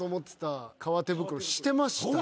してましたね。